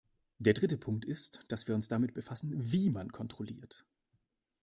Der dritte Punkt ist, dass wir uns damit befassen, wie man kontrolliert.